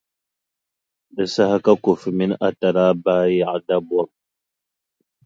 Di saha ka Kofi mini Atta daa baai yaɣi dabɔbʼ.